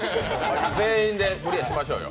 全員でクリアしましょうよ。